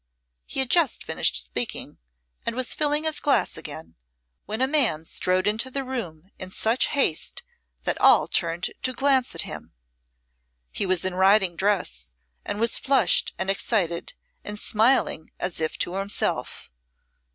He had just finished speaking, and was filling his glass again, when a man strode into the room in such haste that all turned to glance at him. He was in riding dress, and was flushed and excited, and smiling as if to himself.